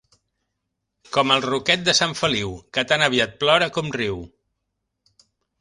Com el ruquet de Sant Feliu, que tan aviat plora com riu.